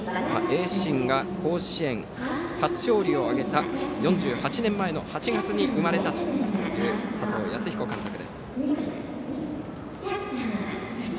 盈進が甲子園初勝利を挙げた４８年前の８月に生まれたという佐藤康彦監督です。